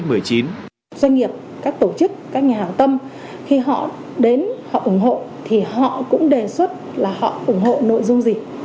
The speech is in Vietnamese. doanh nghiệp các tổ chức các nhà hào tâm khi họ đến họ ủng hộ thì họ cũng đề xuất là họ ủng hộ nội dung gì